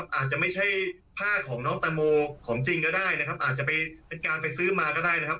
อาจจะไม่ใช่ผ้าของน้องตังโมของจริงก็ได้นะครับอาจจะไปเป็นการไปซื้อมาก็ได้นะครับ